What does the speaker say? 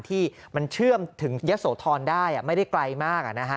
ที่มันเชื่อมถึงยะโสธรได้ไม่ได้ไกลมาก